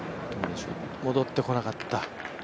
戻ってこなかった。